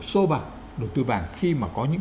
sô vào đầu tư vàng khi mà có những